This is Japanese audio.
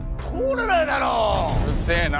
うるせえな。